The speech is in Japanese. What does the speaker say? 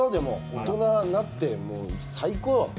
大人になって最高よ。